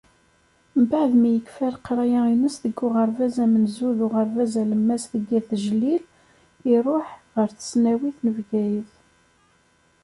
Mbaεd mi yekfa leqraya-ines deg uɣerbaz amenzu d uɣerbaz alemmas deg At Jlil, iruḥ ɣer tesnawit n Bgayet.